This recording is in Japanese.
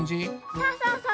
そうそうそう。